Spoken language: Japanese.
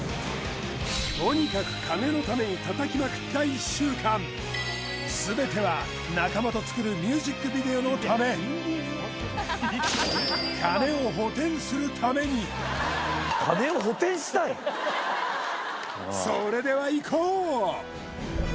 とにかく金のために叩きまくった１週間全ては仲間と作るミュージックビデオのため金を補填するためにそれではいこう！